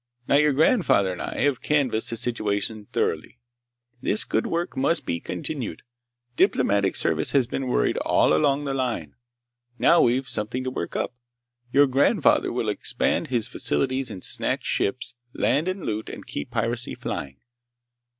"Now, your grandfather and I have canvassed the situation thoroughly! This good work must be continued. Diplomatic Service has been worried all along the line. Now we've something to work up. Your grandfather will expand his facilities and snatch ships, land and loot, and keep piracy flying.